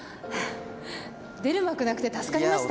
出る幕なくて助かりました。